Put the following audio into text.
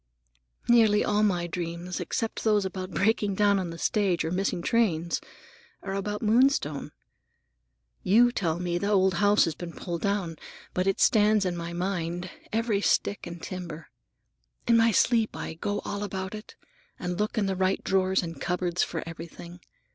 Nearly all my dreams, except those about breaking down on the stage or missing trains, are about Moonstone. You tell me the old house has been pulled down, but it stands in my mind, every stick and timber. In my sleep I go all about it, and look in the right drawers and cupboards for everything.